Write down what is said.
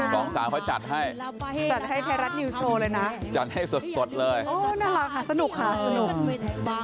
สองสาวเขาจัดให้จัดให้ไทยรัฐนิวโชว์เลยนะจัดให้สดเลยโอ้น่ารักค่ะสนุกค่ะสนุก